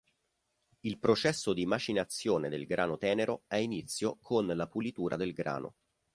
Il processo di macinazione del grano tenero ha inizio con la pulitura del grano.